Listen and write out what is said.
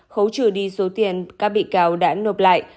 khấu trừ đi số tiền các bị cáo đã nộp lại